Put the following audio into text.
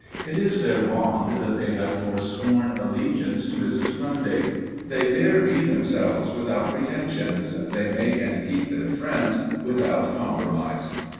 It is their bond that they have forsworn allegiance to Mrs. Grundy. They dare be themselves without pretentious, they make and keep their friends without compromise.